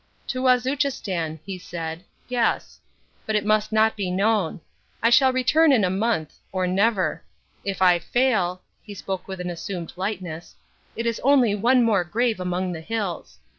"To Wazuchistan," he said, "yes. But it must not be known. I shall return in a month or never. If I fail" he spoke with an assumed lightness "it is only one more grave among the hills.